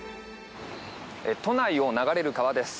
都内を流れる川です。